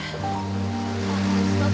makasih ya pak